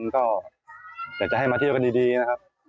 ก็อยากจะให้มาเที่ยวกันดีนะครับ